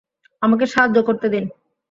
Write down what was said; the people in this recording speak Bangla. আমাকে সাহায্য করতে দিন।